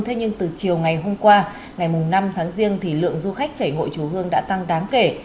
thế nhưng từ chiều ngày hôm qua ngày năm tháng riêng thì lượng du khách chảy hội chùa hương đã tăng đáng kể